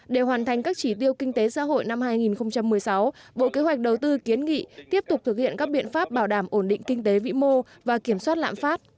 để hoàn thành các chỉ tiêu kinh tế xã hội năm hai nghìn một mươi sáu bộ kế hoạch đầu tư kiến nghị tiếp tục thực hiện các biện pháp bảo đảm ổn định kinh tế vĩ mô và kiểm soát lãm phát